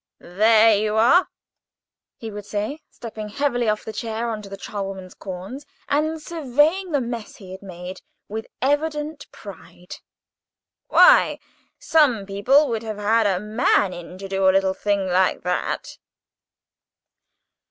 "There you are," he would say, stepping heavily off the chair on to the charwoman's corns, and surveying the mess he had made with evident pride. "Why, some people would have had a man in to do a little thing like that!"